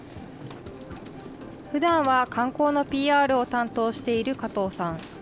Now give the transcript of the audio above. ふだんは観光のＰＲを担当している加藤さん。